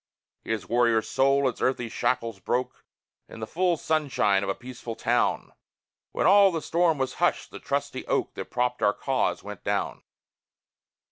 His warrior soul its earthly shackles broke In the full sunshine of a peaceful town; When all the storm was hushed, the trusty oak That propped our cause went down.